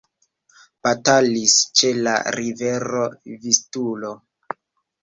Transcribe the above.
Batalis ĉe la rivero Vistulo.